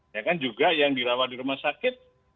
ya kan juga yang dirawat di rumah sakit